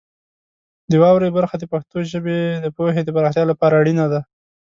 د واورئ برخه د پښتو ژبې د پوهې د پراختیا لپاره اړینه ده.